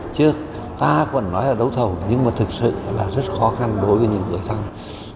chứ ta còn nói là đấu thầu nhưng mà thực sự là rất khó khăn đối với những người xã hội